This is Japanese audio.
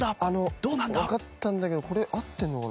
わかったんだけどこれ合ってるのかな。